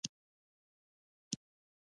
ایا ستاسو پل صراط به اسانه نه وي؟